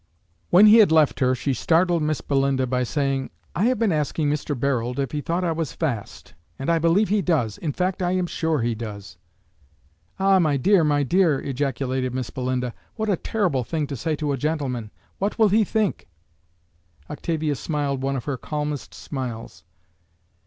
When he had left her, she startled Miss Belinda by saying, "I have been asking Mr. Barold if he thought I was fast; and I believe he does in fact, I am sure he does." "Ah, my dear, my dear!" ejaculated Miss Belinda, "what a terrible thing to say to a gentleman! What will he think?" Octavia smiled one of her calmest smiles.